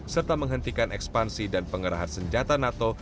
serta menghentikan ekspansi dan pengerahan senjata nato